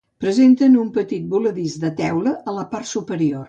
Presenten un petit voladís de teula a la part superior.